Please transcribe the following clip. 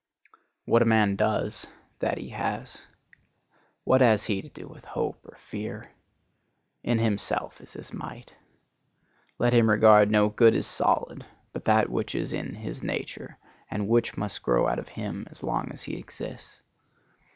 What a man does, that he has. What has he to do with hope or fear? In himself is his might. Let him regard no good as solid but that which is in his nature and which must grow out of him as long as he exists.